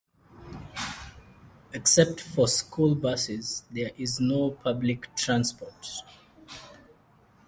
Except for school buses, there is no public transport.